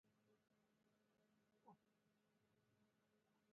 هغې په نسبتاً جدي لهجه ډاکټر ته خپلې خبرې وکړې.